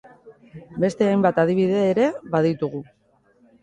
Beste hainbat adibide ere baditugu!